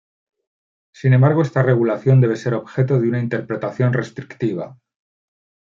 Sin embargo, esta regulación debe ser objeto de una interpretación restrictiva.